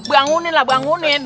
bangunin lah bangunin